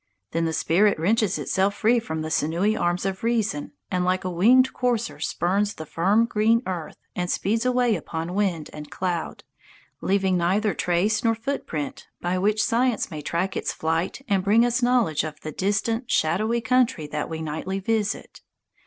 Then the spirit wrenches itself free from the sinewy arms of reason and like a winged courser spurns the firm green earth and speeds away upon wind and cloud, leaving neither trace nor footprint by which science may track its flight and bring us knowledge of the distant, shadowy country that we nightly visit.